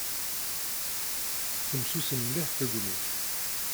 Temsusam mliḥ tegnit.